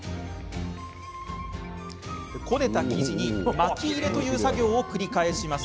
こねた生地に巻き入れという作業を繰り返します。